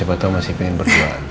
aku masih pengen berduaan